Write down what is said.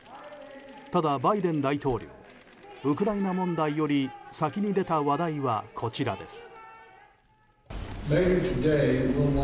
ただ、バイデン大統領ウクライナ問題より先に出た話題は、こちらです。